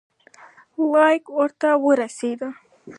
لیک ورته ورسېدی.